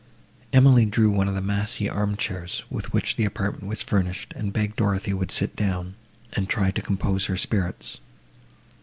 Emily drew one of the massy arm chairs, with which the apartment was furnished, and begged Dorothée would sit down, and try to compose her spirits.